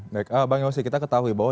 baik bang yosi kita ketahui bahwa